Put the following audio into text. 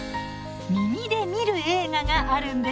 「耳で観る映画」があるんです。